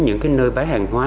những nơi bán hàng hóa